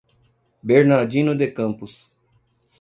Bernardino de Campos